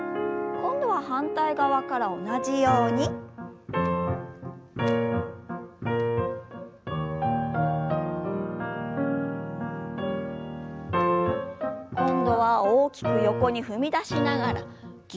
今度は大きく横に踏み出しながらぎゅっと。